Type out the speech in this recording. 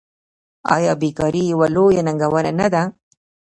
آیا بیکاري یوه لویه ننګونه نه ده؟